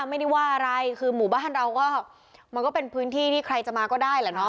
ไม่ได้ว่าอะไรคือหมู่บ้านเราก็มันก็เป็นพื้นที่ที่ใครจะมาก็ได้แหละเนาะ